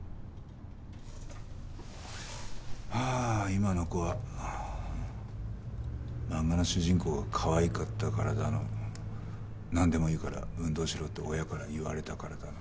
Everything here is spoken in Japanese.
今の子は「漫画の主人公がかわいかったから」だの「なんでもいいから運動しろって親から言われたから」だの。